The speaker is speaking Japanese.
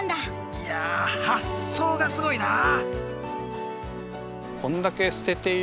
いや発想がすごいなあ。